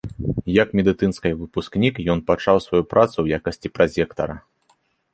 Як медыцынскай выпускнік, ён пачаў сваю працу ў якасці празектара.